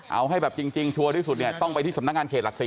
เอาให้แบบจริงชัวร์ที่สุดเนี่ยต้องไปที่สำนักงานเขตหลัก๔